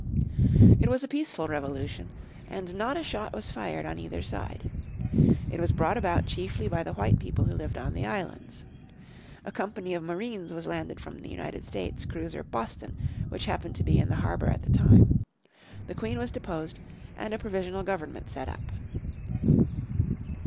It was a peaceful revolution, and not a shot was fired on either side. It was brought about chiefly by the white people who lived in the islands. A company of marines was landed from the United States cruiser Boston which happened to be in the harbour at the time. The Queen was deposed, and a provisional government set up.